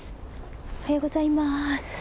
おはようございます。